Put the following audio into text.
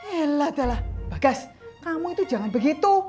elah elah bagas kamu itu jangan begitu